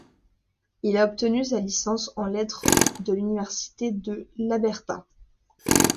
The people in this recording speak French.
Il a obtenu sa licence en lettres de l'université de l'Alberta.